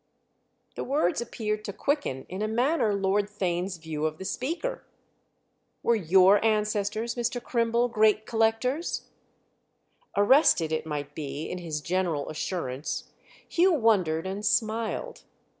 The words appeared to quicken in a manner Lord Theign's view of the speaker. "Were your ancestors, Mr. Crimble, great collectors?" Arrested, it might be, in his general assurance, Hugh wondered and smiled.